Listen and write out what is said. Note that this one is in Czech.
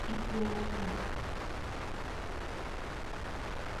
Vystudoval průmyslovou energetiku a později i sociologii a psychologii.